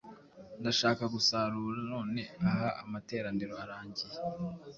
ndashaka gusarura none aha! Amateraniro arangiye,